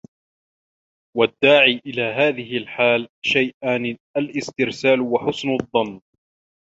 وَالدَّاعِي إلَى هَذِهِ الْحَالِ شَيْئَانِ الِاسْتِرْسَالُ ، وَحُسْنُ الظَّنِّ